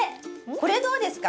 これどうですか？